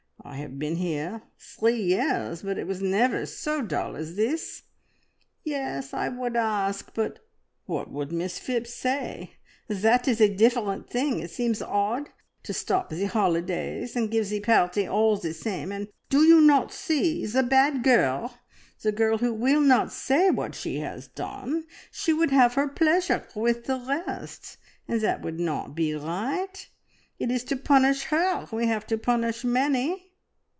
I have been here three years, but it was never so dull as this. Yes, I would ask, but what would Miss Phipps say? That is a different thing! It seems odd to stop the holidays and give the party all the same, and do you not see? the bad girl the girl who will not say what she has done she would have her pleasure with the rest, and that would not be right. It is to punish her we have to punish many."